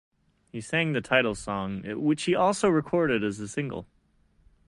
He sang the title song, which he also recorded as a single.